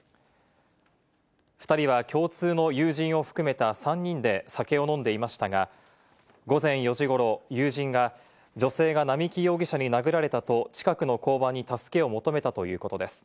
２人は共通の友人を含めた３人で酒を飲んでいましたが、午前４時頃、友人が女性が並木容疑者に殴られたと近くの交番に助けを求めたということです。